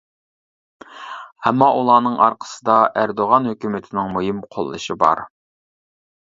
ئەمما ئۇلارنىڭ ئارقىسىدا ئەردوغان ھۆكۈمىتىنىڭ مۇھىم قوللىشى بار.